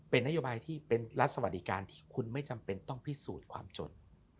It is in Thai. เป็นนโยบายที่เป็นรัฐสวัสดิการที่คุณไม่จำเป็นต้องพิสูจน์ความจน